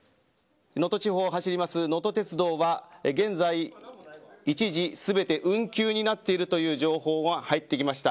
能登地方を走りますのと鉄道は現在、一時全て運休になっているという情報が入ってきました。